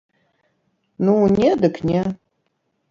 Ну не дык не.